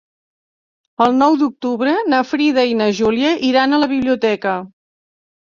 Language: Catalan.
El nou d'octubre na Frida i na Júlia iran a la biblioteca.